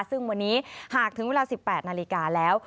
ซึ่งวันนี้หากถึงเวลา๑๘นาฬิกาแล้ว